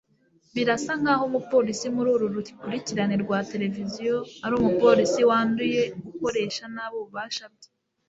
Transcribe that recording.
Birasa nkaho umupolisi muri uru rukurikirane rwa televiziyo ari umupolisi wanduye ukoresha nabi ububasha bwe